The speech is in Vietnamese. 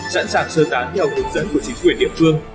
sẵn sàng sơ tán theo hướng dẫn của chính quyền địa phương